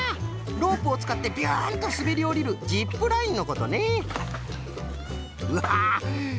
ロープをつかってビュンとすべりおりるジップラインのことね！